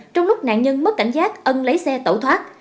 trong lúc nạn nhân mất cảnh giác ân lấy xe tẩu thoát